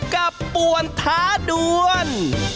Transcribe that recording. กับปวนท้าด้วน